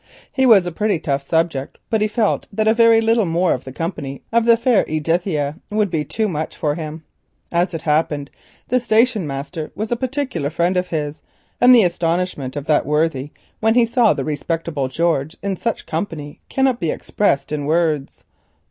He was a pretty tough subject, but he felt that a very little more of the company of the fair Edithia would be too much for him. As it happened, the station master was a particular friend of his, and the astonishment of that worthy when he saw the respectable George in such company could scarcely be expressed in words.